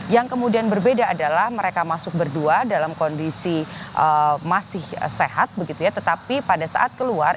yang kemudian berbeda adalah mereka masuk berdua dalam kondisi masih sehat begitu ya tetapi pada saat keluar